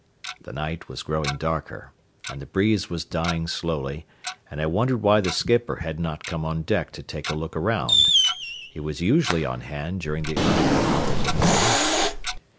The night was growing darker, and the breeze was dying slowly, and I wondered why the skipper had not come on deck to take a look around. He was usually on hand during the earlier hours of evening.